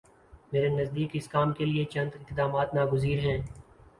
میرے نزدیک اس کام کے لیے چند اقدامات ناگزیر ہیں۔